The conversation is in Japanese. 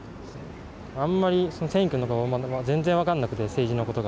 あんまり選挙とか全然分かんなくて政治のことが。